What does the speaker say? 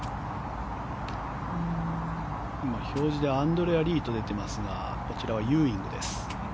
表示ではアンドレア・リーと出ていますがこちらはユーイングです。